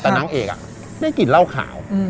แต่นางเอกได้กลิ่นเหล้าขาว